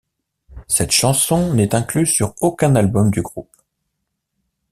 Cette chanson n’est incluse sur aucun album du groupe.